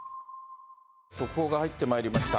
速報が入ってまいりました。